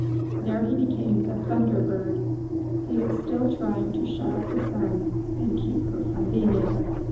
There he became the Thunder bird. He is still trying to shut up the Sun and keep her from beaming.